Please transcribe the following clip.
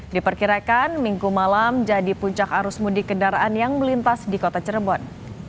diperkirakan minggu malam jadi puncak arus mudik kendaraan yang melintas di kota cirebon